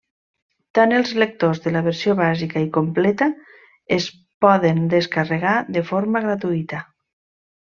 Tant els lectors de la versió bàsica i completa es poden descarregar de forma gratuïta.